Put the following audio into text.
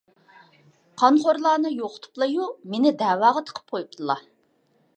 قانخورلارنى يوقىتىپلايۇ، مېنى دەۋاغا تىقىپ قويۇپتىلا.